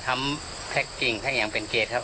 ทำแพ็กส์จิ้งมาทำเป็นเกตครับค่ะ